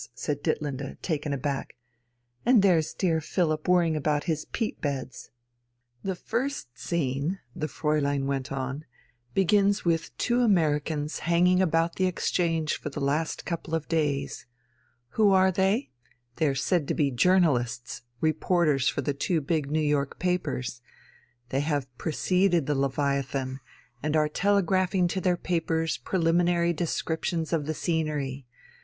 said Ditlinde, taken aback. "And there's dear Philipp worrying about his peat beds." "The first scene," the Fräulein went on, "begins with two Americans hanging about the Exchange for the last couple of days. Who are they? They are said to be journalists, reporters, for two big New York papers. They have preceded the Leviathan, and are telegraphing to their papers preliminary descriptions of the scenery.